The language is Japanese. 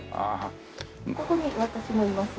ここに私もいます。